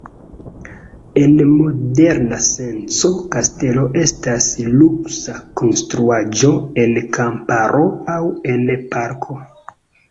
En moderna senco kastelo estas luksa konstruaĵo en kamparo aŭ en parko.